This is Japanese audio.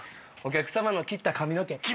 お客様の切った髪の毛。